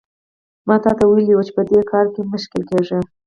ما تاته ویلي وو چې په دې کار کې مه ښکېل کېږه.